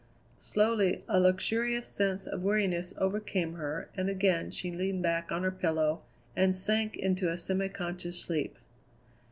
Slowly a luxurious sense of weariness overcame her and again she leaned back on her pillow and sank into a semiconscious sleep.